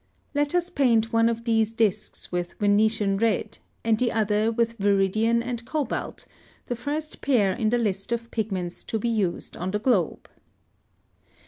Let us paint one of these discs with Venetian red and the other with viridian and cobalt, the first pair in the list of pigments to be used on the globe.